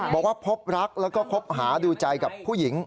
บอกว่าพบรักแล้วก็คบหาดูใจกับผู้หญิง